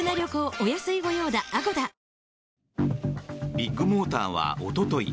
ビッグモーターはおととい